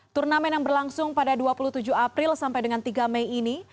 turnamen yang berlangsung pada dua puluh tujuh april sampai dengan tiga mei ini